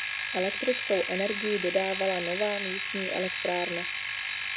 Elektrickou energii dodávala nová místní elektrárna.